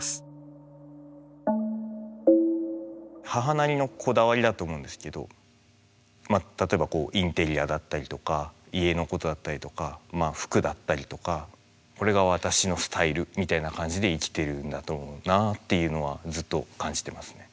母なりのこだわりだと思うんですけど例えばインテリアだったりだとか家のことだったりだとか服だったりとかこれが私のスタイルみたいな感じで生きてるんだと思うなあっていうのはずっと感じてますね。